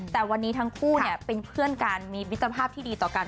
แต่วันนี้ทั้งคู่เป็นเพื่อนกันมีมิตรภาพที่ดีต่อกัน